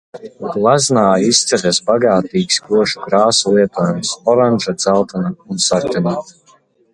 Gleznā izceļas bagātīgs košo krāsu lietojums – oranža, dzeltena un sarkana.